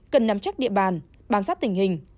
cần nắm chắc địa bàn bám sát tình hình